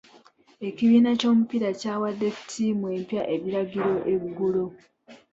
Ekibiina ky'omupiira kyawadde ttiimu empya ebiragiro eggulo.